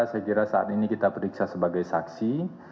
saya kira saat ini kita periksa sebagai saksi